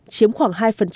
chiếm khoảng hai